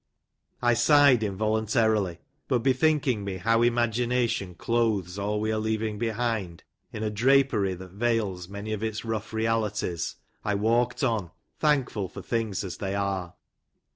I sighed involun tarily, but bethinking me how imagination clothes all we are leaving behind us in a drapery that veils many of its rough realities, I walked on, thankful for things as they are.